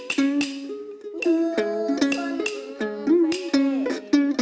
tiếng cười cao